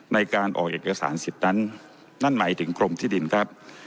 ในการออกเอกสารสิทธิ์นั้นนั่นหมายถึงกรมที่ดินครับ